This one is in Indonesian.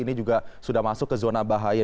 ini juga sudah masuk ke zona bahaya